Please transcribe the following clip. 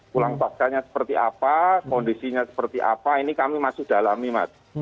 pulang paksanya seperti apa kondisinya seperti apa ini kami masih dalam nih mas